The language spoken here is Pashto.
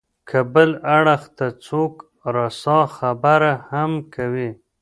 که بل اړخ ته څوک راسا خبره هم کوي.